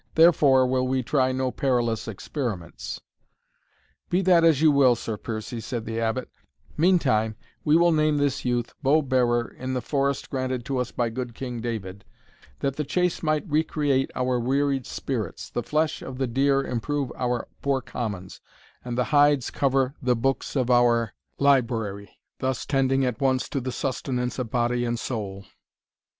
Therefore will we try no perilous experiments." "Be that as you will, Sir Piercie," said the Abbot; "meantime we will name this youth bow bearer in the forest granted to us by good King David, that the chase might recreate our wearied spirits, the flesh of the dear improve our poor commons, and the hides cover the books of our library; thus tending at once to the sustenance of body and soul."